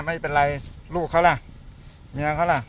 ไม่เป็นไรลูกเขาล่ะเมียเขาล่ะ